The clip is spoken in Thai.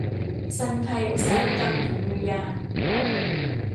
ซันไทยอุตสาหกรรมถุงมือยาง